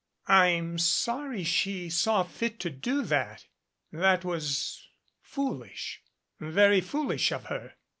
"I'm sorry she saw fit to do that. That was foolish very foolish of her."